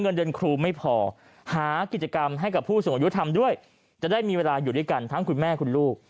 เงินเดือนครูไม่พอหากิจกรรมให้กับผู้สูงอายุทำด้วยจะได้มีเวลาอยู่ด้วยกันทั้งคุณแม่คุณลูก